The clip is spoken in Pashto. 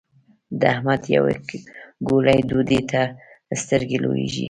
د احمد يوې ګولې ډوډۍ ته سترګې لوېږي.